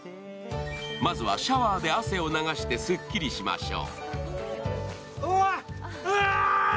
まずはシャワーで汗を流してすっきりしましょう。